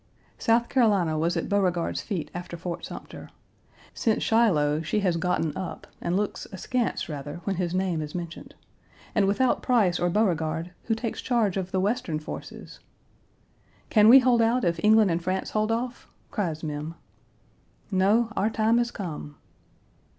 South Carolina was at Beauregard's feet after Fort Sumter. Since Shiloh, she has gotten up, and looks askance rather when his name is mentioned. And without Price or Beauregard who takes charge of the Western forces? "Can we hold out if England and France hold off?" cries Mem. "No, our time has come."